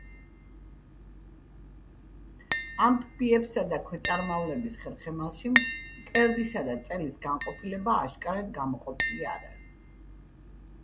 ამფიბიებსა და ქვეწარმავლების ხერხემალში მკერდისა და წელის განყოფილება აშკარად გამოყოფილი არ არის.